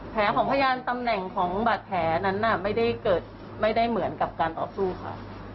แผลของพยานตำแหน่งของบาดแผลนั้นไม่ได้เกิดไม่ได้เหมือนกับการต่อสู้ค่ะ